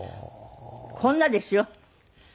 こんなですよ。